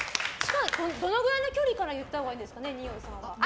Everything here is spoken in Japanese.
どのくらいの距離から言ったほうがいいんですかね。